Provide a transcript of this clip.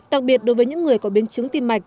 đặc biệt đối với những người có biến chứng tim mạch